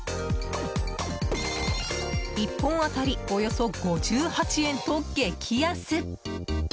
１本当たりおよそ５８円と激安。